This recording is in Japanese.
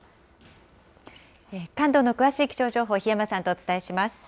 関東の詳しい気象情報、檜山さんとお伝えします。